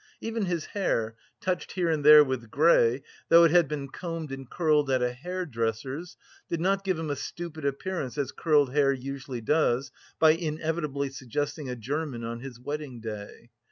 Even his hair, touched here and there with grey, though it had been combed and curled at a hairdresser's, did not give him a stupid appearance, as curled hair usually does, by inevitably suggesting a German on his wedding day.